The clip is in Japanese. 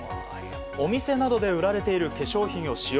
お店などで売られている化粧品を使用。